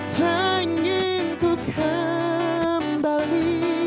tak ingin ku kembali